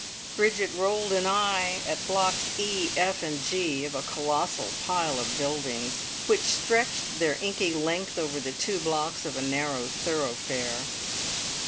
Bridget rolled an eye at blocks E, F, and G of a colossal pile of buildings which stretched their inky length over the two blocks of a narrow thoroughfare.